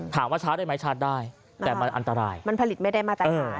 หาชาร์จได้ไหมชาร์จได้แต่มันอันตรายมันผลิตไม่ได้มาตรฐาน